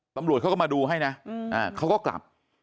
ตำรวจเขาก็มาดูให้นะเขาก็กลับ